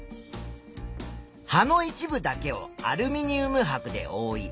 葉の一部だけをアルミニウムはくでおおい